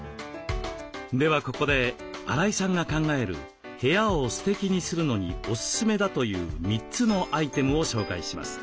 ではここで荒井さんが考える部屋をステキにするのにおススメだという３つのアイテムを紹介します。